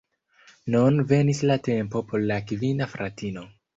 Nun venis la tempo por la kvina fratino.